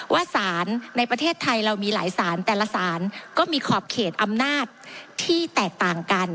ว่าสารในประเทศไทยเรามีหลายสารแต่ละสารก็มีขอบเขตอำนาจที่แตกต่างกัน